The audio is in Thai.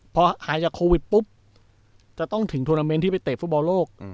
พอหายจากโควิดปุ๊บจะต้องถึงธุรกิจที่ไปเตะฟุตบอลโลกอืม